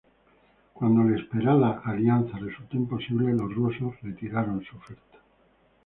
Cuando la esperada alianza resultó imposible, los rusos retiraron su oferta.